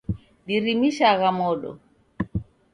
Dirimishagha modo.